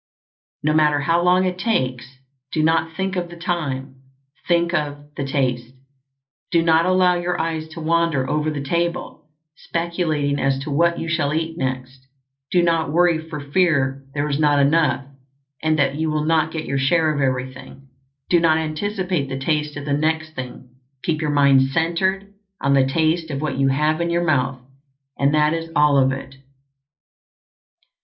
No matter how long it takes, do not think of the time. Think of the taste. Do not allow your eyes to wander over the table, speculating as to what you shall eat next; do not worry for fear there is not enough, and that you will not get your share of everything. Do not anticipate the taste of the next thing; keep your mind centered on the taste of what you have in your mouth. And that is all of it.